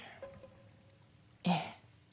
ええ。